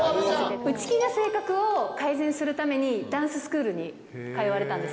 内気な性格を改善するために、ダンススクールに通われたんです